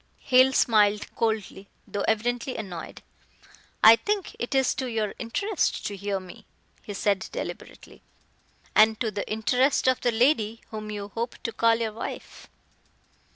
Hale smiled coldly, though evidently annoyed. "I think it is to your interest to hear me," he said deliberately, "and to the interest of the lady whom you hope to call your wife."